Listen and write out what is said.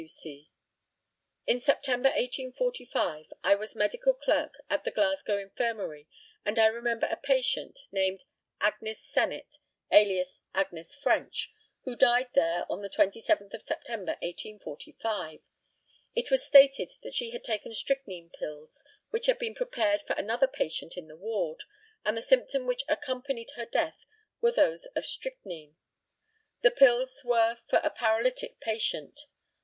C.: In September, 1845, I was medical clerk at the Glasgow Infirmary, and I remember a patient, named Agnes Sennett, alias Agnes French, who died there on the 27th of September, 1845. It was stated that she had taken strychnine pills, which had been prepared for another patient in the ward, and the symptoms which accompanied her death were those of strychnine. The pills were for a paralytic patient.